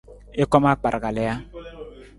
I kom akpar kali ja?